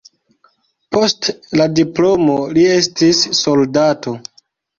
Post la diplomo li estis soldato.